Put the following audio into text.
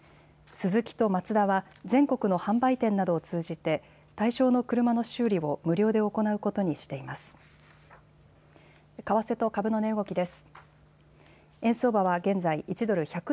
スズキとマツダは全国の販売店などを通じて対象の車の修理を無料で行うことにしています。